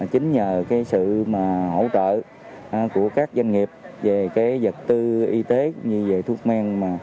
chính nhờ sự hỗ trợ của các doanh nghiệp về vật tư y tế như thuốc men